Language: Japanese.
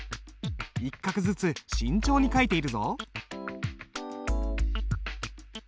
一画ずつ慎重に書いているぞ。